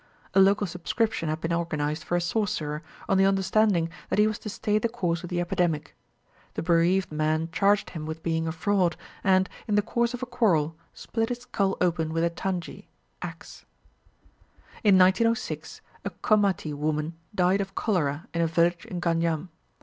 A local subscription had been organised for a sorcerer, on the understanding that he was to stay the course of the epidemic. The bereaved man charged him with being a fraud, and, in the course of a quarrel, split his skull open with a tangi (axe). In 1906, a Komati woman died of cholera in a village in Ganjam.